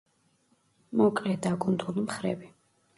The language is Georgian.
მოკლე დაკუნთული მხრები.